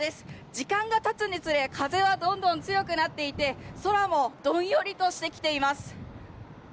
時間がたつにつれ風はどんどん強くなっていて空もどんよりとしてきています。